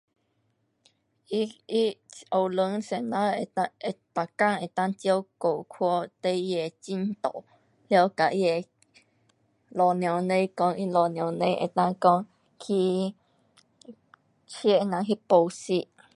他，他学堂的老师，能够每天能够照顾看孩儿的进度，了跟他的父母亲讲，他父母亲能够讲，去带他人去补习。